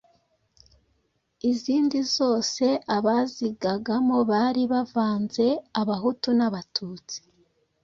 izindi zose abazigagamo bari bavanze Abahutu n'Abatutsi.